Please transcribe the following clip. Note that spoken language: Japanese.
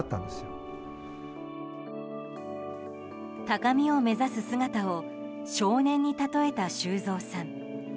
高みを目指す姿を少年にたとえた修造さん。